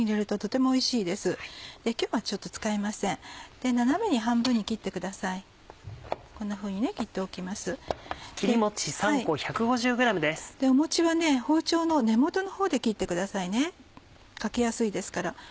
もちは包丁の根元のほうで切ってくださいね欠けやすいですから。